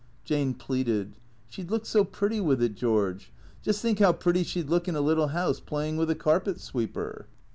Jane pleaded. "She'd look so pretty with it, George. Just think how pretty she 'd look in a little house, playing with a carpet sweeper."